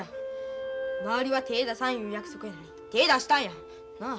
周りは手ぇ出さんいう約束やのに手ぇ出したんや。なあ？